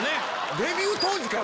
デビュー当時から。